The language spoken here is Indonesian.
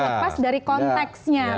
teksnya terlepas dari konteksnya